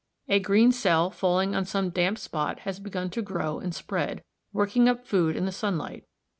A green cell (gc 3, Fig. 30) falling on some damp spot has begun to grow and spread, working up food in the sunlight.